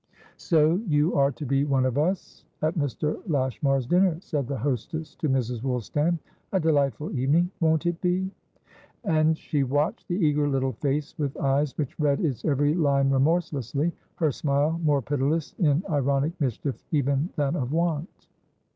"So you are to be one of us, at Mr. Lashmar's dinner," said the hostess to Mrs. Woolstan. "A delightful eveningwon't it be!" And she watched the eager little face with eyes which read its every line remorselessly: her smile more pitiless in ironic mischief even than of wont.